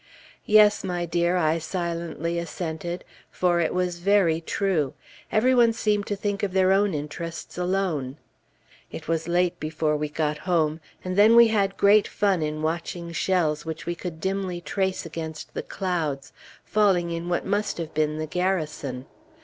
"Yes, my dear," I silently assented; for it was very true; every one seemed to think of their own interests alone. It was late before we got home, and then we had great fun in watching shells which we could dimly trace against the clouds, falling in what must have been the Garrison.